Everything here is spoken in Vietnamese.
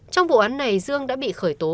trong vụ án này dương đã bị khởi tố